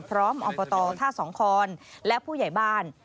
พร้อมอมโปรโตท่าสองคอนและผู้ใหญ่บ้าน